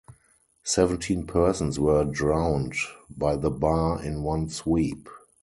Seventeen persons were drowned by the bar in one sweep.